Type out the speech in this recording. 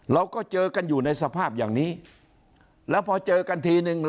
เราก็เจอกันอยู่ในสภาพอย่างนี้แล้วพอเจอกันทีนึง